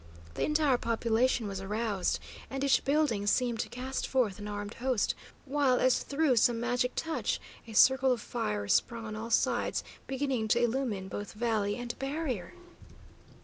The entire population was aroused, and each building seemed to cast forth an armed host, while, as through some magic touch, a circle of fires sprung up on all sides, beginning to illumine both valley and barrier.